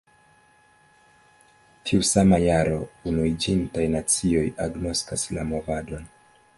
Tiu sama jaro, Unuiĝintaj Nacioj agnoskas la movadon.